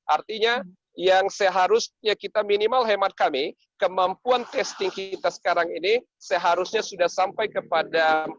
artinya yang seharusnya kita minimal hemat kami kemampuan testing kita sekarang ini seharusnya sudah sampai kepada